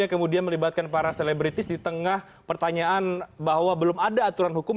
yang kemudian melibatkan para selebritis di tengah pertanyaan bahwa belum ada aturan hukum